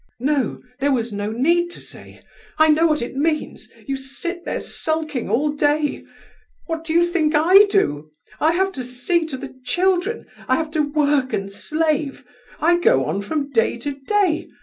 "No, there was no need to say. I know what it means. You sit there sulking all day. What do you think I do? I have to see to the children, I have to work and slave, I go on from day to day.